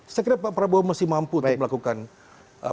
saya kira pak prabowo masih mampu untuk melakukan